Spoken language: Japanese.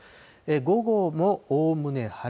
午後もおおむね晴れ。